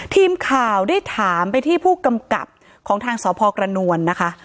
ทีมข่าวได้ถามไปที่ผู้กำกับของทางสพกระนวลนะคะ